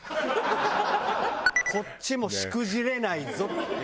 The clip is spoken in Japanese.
こっちもしくじれないぞっていう。